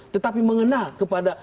tetapi mengenal kepada